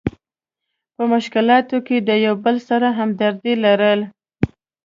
په مشکلاتو کې د یو بل سره همدردي لري.